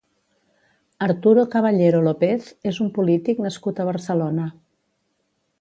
Arturo Caballero Lopez és un polític nascut a Barcelona.